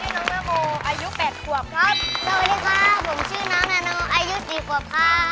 แล้วมีท่าประจำทีมั้ยครับ